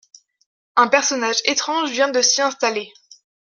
Un personnage étrange vient de s'y installer.